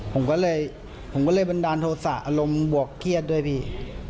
ผมก็เลยบันดาลโทษศาสตร์อารมณ์บวกเครียดด้วยพี่